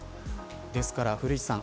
ですから古市さん